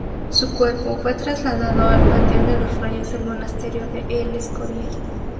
Su cuerpo fue trasladado al Panteón de los Reyes del Monasterio de El Escorial.